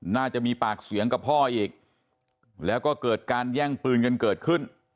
น่าจะมีปากเสียงกับพ่ออีกแล้วก็เกิดการแย่งปืนกันเกิดขึ้น